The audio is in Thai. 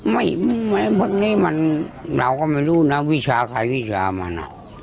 พวกนี้มันเราก็ไม่รู้นะวิชาใครวิชามัน